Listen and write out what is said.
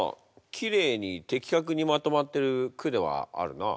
きれいに的確にまとまってる句ではあるな。